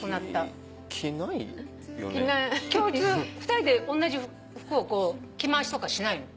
２人でおんなじ服を着回しとかしないの？